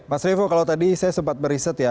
mas revo kalau tadi saya sempat meriset ya